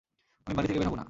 আমি বাড়ি থেকে বের হবো না।